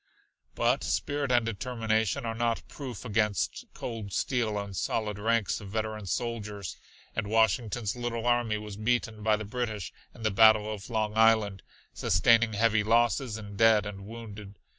But spirit and determination are not proof against cold steel and solid ranks of veteran soldiers, and Washington's little army was beaten by the British in the Battle of Long Island, sustaining heavy losses in dead and wounded.